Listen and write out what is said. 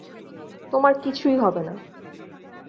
তোমার কিছুই হবে না।